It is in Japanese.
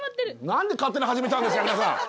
何で勝手に始めちゃうんですか皆さん！